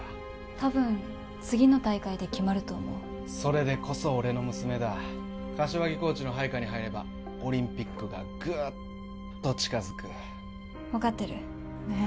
たぶん次の大会で決まると思うそれでこそ俺の娘だ柏木コーチの配下に入ればオリンピックがぐっと近づく分かってるねえ